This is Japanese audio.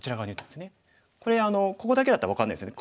これここだけだったら分かんないですよね。